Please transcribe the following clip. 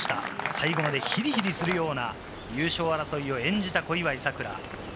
最後までヒリヒリするような優勝争いを演じた小祝さくら。